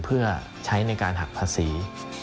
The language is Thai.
เพื่อใช้ในการหักภาษี